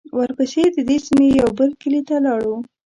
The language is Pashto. ورپسې د دې سیمې یوه بل کلي ته لاړو.